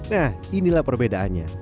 nah inilah perbedaannya